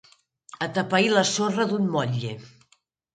Atapeir la sorra d'un motlle.